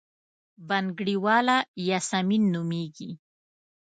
بنګړیواله یاسمین نومېږي.